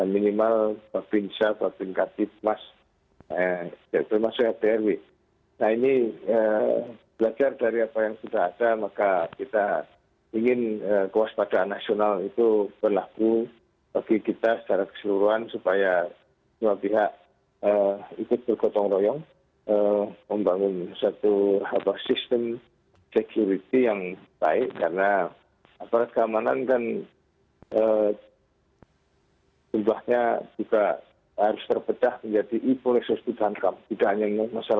minimal berbincang berbincang di emas